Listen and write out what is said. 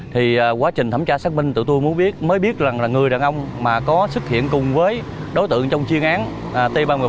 thì quá trình thẩm tra xác minh tụi tôi mới biết là người đàn ông mà có xuất hiện cùng với đối tượng trong chiên án t ba trăm một mươi bảy